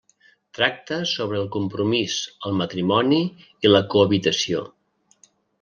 Tracta sobre el compromís, el matrimoni i la cohabitació.